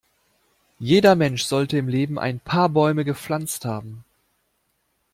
Jeder Mensch sollte im Leben ein paar Bäume gepflanzt haben.